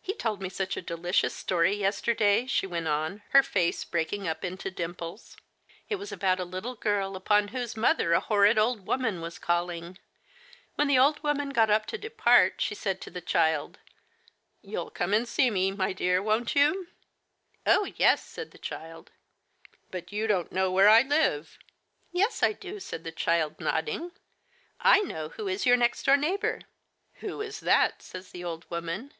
" He told me such a delicious story yesterday," she went on, her face breaking up into dimples. " It was about a little girl upon whose mother a horrid old woman was calling. When the old woman got up to depart, she said to the child, * You'll come and see me, my dear, won't you ?'* Oh, yes !* said the child, * But you don't know Digitized by Google 12 THE FATE OF FENELLA, where I live ?*' Yes, I do/ said the child, nod ding. * I know who is your next door neighbor/ *Who is that?' says the old woman.